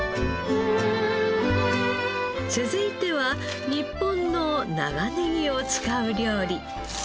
続いては日本の長ネギを使う料理。